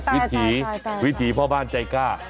วิถีวิถีพ่อบ้านใจกล้า